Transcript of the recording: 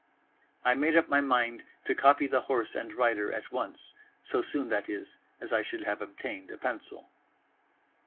I made up my mind to copy the horse and rider at once, so soon, that is, as I should have obtained a pencil.